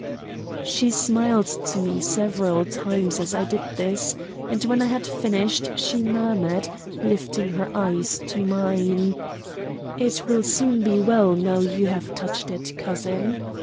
She smiled to me several times as I did this, and when I had finished she murmured, lifting her eyes to mine: "It will soon be well, now you have touched it, cousin."